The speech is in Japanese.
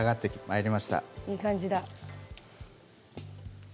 いい感じだ。